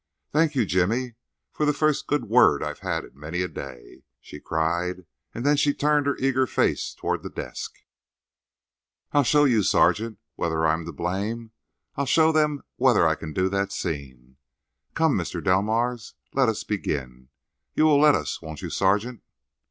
"Thank you, Jimmy, for the first good word I've had in many a day," she cried. And then she turned her eager face toward the desk. "I'll show you, sergeant, whether I am to blame. I'll show them whether I can do that scene. Come, Mr. Delmars; let us begin. You will let us, won't you, sergeant?"